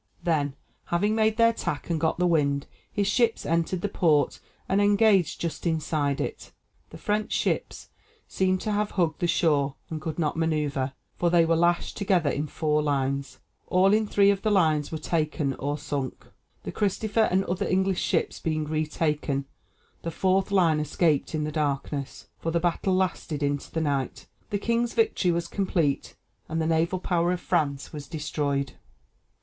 Then, having made their tack and got the wind, his ships entered the port and engaged just inside it. The French ships seem to have hugged the shore, and could not manoeuvre, for they were lashed together in four lines. All in three of the lines were taken or sunk, the Christopher and other English ships being retaken; the fourth line escaped in the darkness, for the battle lasted into the night. The king's victory was complete, and the naval power of France was destroyed.